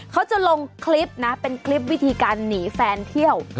เขาจะลงคลิปนะเป็นคลิปวิธีการหนีแฟนเที่ยว